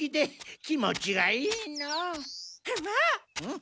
ん？